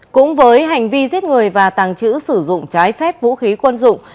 cũng với hành vi giết người và tàng trữ sử dụng trái phép vũ khí quân dụng